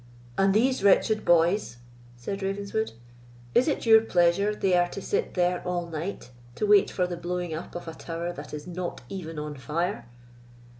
"And these wretched boys," said Ravenswood, "is it your pleasure they are to sit there all night, to wait for the blowing up of a tower that is not even on fire?"